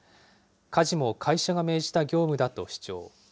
家事も会社が命じた業務だと主張。